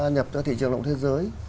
nhập cho thị trường lộng thế giới